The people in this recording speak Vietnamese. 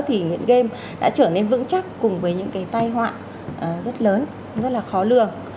thì nghiện game đã trở nên vững chắc cùng với những cái tai họa rất lớn rất là khó lường